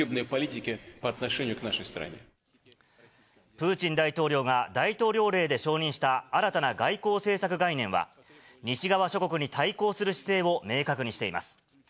プーチン大統領が大統領令で承認した新たな外交政策概念は、西側諸国に対抗する姿勢を明確にしています。